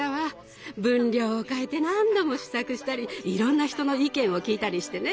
分量を変えて何度も試作したりいろんな人の意見を聞いたりしてね。